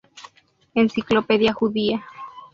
Enciclopedia judía